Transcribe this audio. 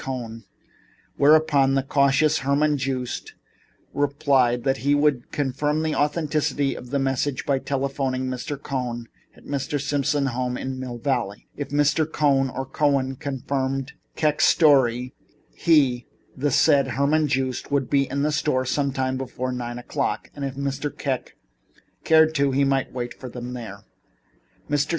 Cohn, whereupon the cautious Herman Joost replied that he would confirm the authenticity of the message by telephoning to Mr. Cohn at Mr. Simon's home in Mill Valley. If Mr. B. Cohn or Cohen confirmed Mr. Kek's story he, the said Herman Joost, would be at the store sometime before nine o'clock, and if Mr. Kek cared to, he might await him there. Mr.